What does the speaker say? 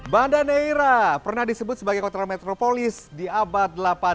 banda neira pernah disebut sebagai kota metropolis di abad delapan belas